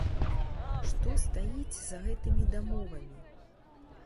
Што стаіць за гэтымі дамовамі?